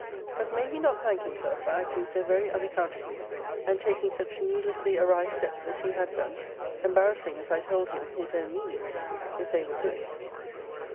But may he not thank himself for acting so very unaccountably, and taking such needlessly awry steps, as he had done, embarrassing, as I told him, his own meanings, if they were good?